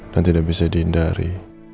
dan tidak bisa dihindari